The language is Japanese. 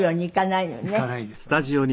いかないです。